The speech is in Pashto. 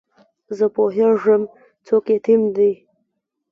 زه پوهېږم څوک یتیم دی.